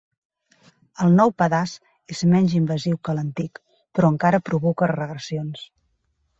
El nou pedaç és menys invasiu que l'antic, però encara provoca regressions.